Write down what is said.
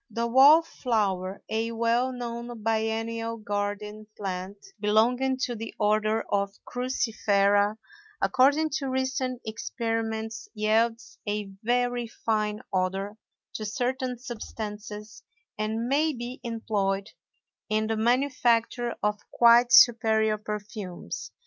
The wallflower, a well known biennial garden plant belonging to the Order of Cruciferæ, according to recent experiments yields a very fine odor to certain substances and may be employed in the manufacture of quite superior perfumes.